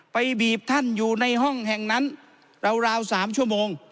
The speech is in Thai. บีบท่านอยู่ในห้องแห่งนั้นราว๓ชั่วโมง